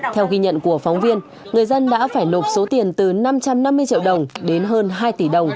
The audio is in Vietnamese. theo ghi nhận của phóng viên người dân đã phải nộp số tiền từ năm trăm năm mươi triệu đồng đến hơn hai tỷ đồng